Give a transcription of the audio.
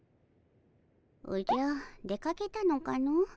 おじゃ出かけたのかの？